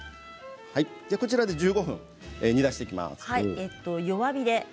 これで１５分、煮出していきます。